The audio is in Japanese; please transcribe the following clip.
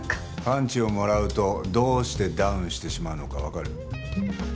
パンチをもらうとどうしてダウンしてしまうのかわかる？